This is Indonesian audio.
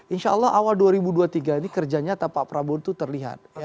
insya allah awal dua ribu dua puluh tiga ini kerja nyata pak prabowo itu terlihat